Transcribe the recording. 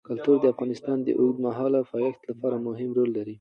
کلتور د افغانستان د اوږدمهاله پایښت لپاره مهم رول لري.